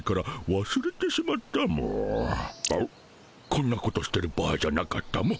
こんなことしてる場合じゃなかったモ。